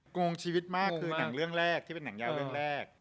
งงชีวิตมากคือหนังเรื่องแรกที่เป็นหนังยาวเรื่องแรก